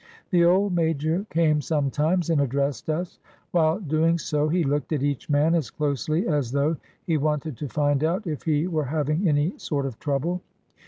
The old major came sometimes and addressed us. While doing so he looked at each man as closely as though he wanted to find out if he were having any sort of trouble.